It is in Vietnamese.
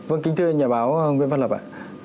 vâng kính thưa nhà báo nguyễn văn lập ạ